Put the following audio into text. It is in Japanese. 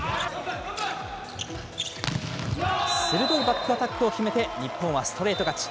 鋭いバックアタックを決めて、日本はストレート勝ち。